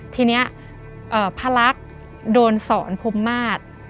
ทีนี้พระลักษณ์โดนสอนพรมมาศ